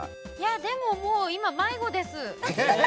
でも今、もう迷子です。